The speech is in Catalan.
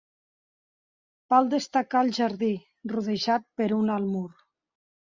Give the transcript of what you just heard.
Val destacar el jardí, rodejat per un alt mur.